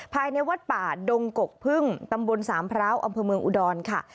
ภายในวัดป่าดงกกพึ่งตำบลสามพร้าวอำเภอเมืองอุดรค่ะ